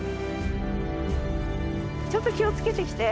ちょっと気を付けて来て。